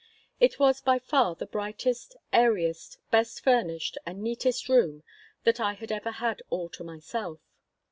It was by far the brightest, airiest, best furnished, and neatest room that I had ever had all to myself.